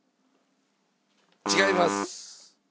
違います。